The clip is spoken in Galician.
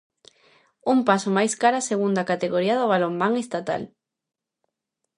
Un paso máis cara a segunda categoría do balonmán estatal.